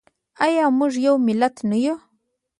آیا موږ یو ملت نه یو؟